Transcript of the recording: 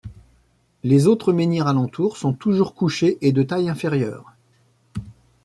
Les autres menhirs alentour sont toujours couchés et de taille inférieure.